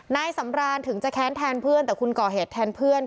นายสำรานถึงจะแค้นแทนเพื่อนแต่คุณก่อเหตุแทนเพื่อน